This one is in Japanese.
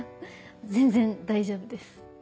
全然大丈夫です。